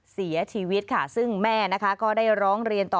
เสียชีวิตค่ะซึ่งแม่นะคะก็ได้ร้องเรียนต่อ